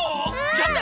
ちょっと！